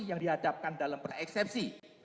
yang dihadapkan dalam pereksesi